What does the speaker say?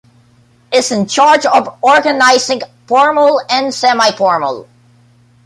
Is in charge of organizing formal and semi-formal.